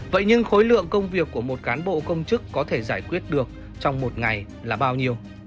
vậy nhưng khối lượng công việc của một cán bộ công chức có thể giải quyết được trong một ngày là bao nhiêu